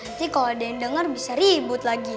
nanti kalau ada yang dengar bisa ribut lagi